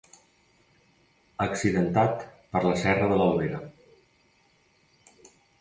Accidentat per la serra de l'Albera.